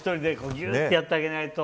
ギューってやってあげないと。